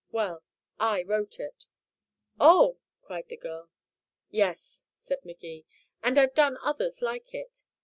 Well, I wrote it " "Oh!" cried the girl. "Yes," said Magee, "and I've done others like it.